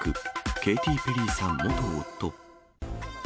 ケイティ・ペリーさん元夫。